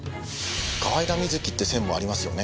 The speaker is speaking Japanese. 河井田瑞希って線もありますよね。